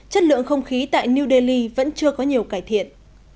chất lượng không khí tại new delhi vẫn chưa có nhiều cải thiện